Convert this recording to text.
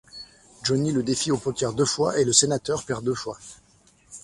Johnny le défie au poker deux fois et le sénateur perd deux fois.